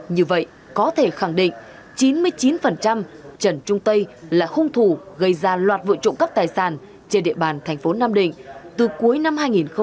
như vậy có thể khẳng định chín mươi chín trần trung tây là hung thủ gây ra loạt vụ trộm cắp tài sản trên địa bàn tp nam định từ cuối năm hai nghìn hai mươi một